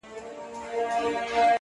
o ترڅو له ماڅخه ته هېره سې،